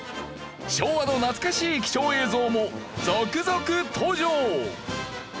昭和の懐かしい貴重映像も続々登場！